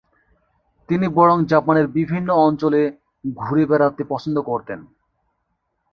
তিনি বরং জাপানের বিভিন্ন অঞ্চলে ঘুরে বেড়াতে পছন্দ করতেন।